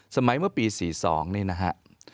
สมัยเมื่อปี๔๒เนี่ยนะฮะ